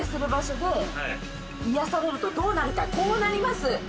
はいこうなります